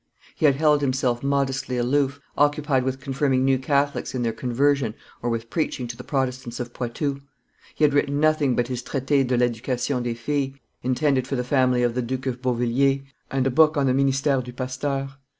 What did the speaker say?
He had held himself modestly aloof, occupied with confirming new Catholics in their conversion or with preaching to the Protestants of Poitou; he had written nothing but his Traite de l'Education des Filles, intended for the family of the Duke of Beauvilliers, and a book on the ministere du pasteur.